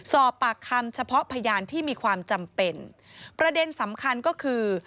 สอบปากคำเฉพาะพยานที่มีความจำเป็นประเด็นสำคัญก็คือ